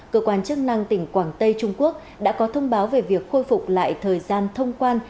cơ quan chức năng tỉnh quảng tây trung quốc đã có thông báo về việc khôi phục lại thời gian thông quan